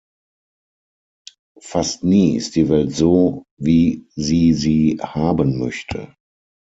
Fast nie ist die Welt so, wie sie sie haben möchte.